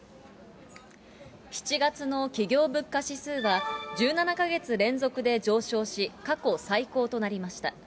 ７月の企業物価指数は、１７か月連続で上昇し、過去最高となりました。